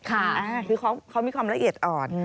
คือเขามีความละเอียดอ่อน